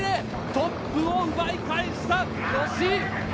トップを奪い返した吉居。